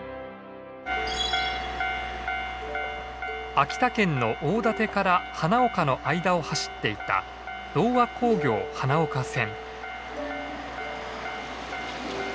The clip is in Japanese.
秋田県の大館から花岡の間を走っていた同和鉱業花岡線。